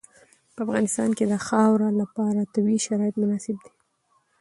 په افغانستان کې د خاوره لپاره طبیعي شرایط مناسب دي.